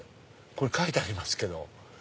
書いてありますけど。